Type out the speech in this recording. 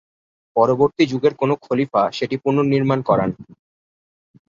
পরবর্তী যুগের কোনো খলিফা সেটি পুনর্নির্মাণ করান।